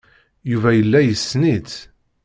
Yuba yella yessen-itt.